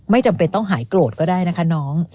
จำเป็นต้องหายโกรธก็ได้นะคะน้อง